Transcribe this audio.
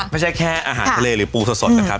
ไม่ใช่แค่อาหารทะเลหรือปูสดนะครับ